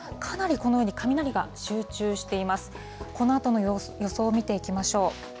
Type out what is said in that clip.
このあとの予想を見ていきましょう。